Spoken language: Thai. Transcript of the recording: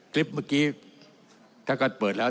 คลิปเมื่อกี้ถ้าก็เปิดแล้ว